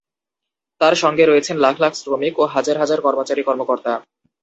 তাঁদের সঙ্গে রয়েছেন লাখ লাখ শ্রমিক ও হাজার হাজার কর্মচারী কর্মকর্তা।